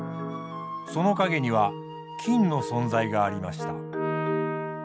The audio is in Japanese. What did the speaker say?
その陰には金の存在がありました。